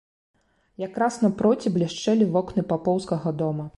Якраз напроці блішчэлі вокны папоўскага дома.